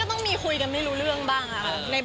ต้องมีคุยกันไม่รู้เรื่องบ้างค่ะ